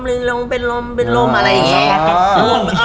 อะไรอย่างเงี้ย